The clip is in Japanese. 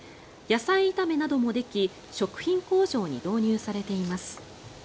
野菜炒めなどもでき食品工場に導入されています。